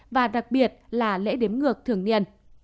và đặc biệt là lễ đếm ngược thường niên